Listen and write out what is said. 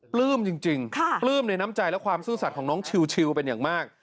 ปลื้มจริงปลื้มในน้ำใจและความซื่อสัตว์ของน้องชิวเป็นอย่างมาก